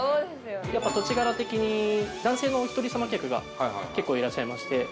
やっぱり土地柄的に男性のお一人様客が結構いらっしゃいまして。